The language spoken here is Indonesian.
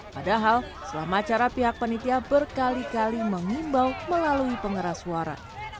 padahal selama acara pihak penitia berkali kali mengimbau melalui pengeras suara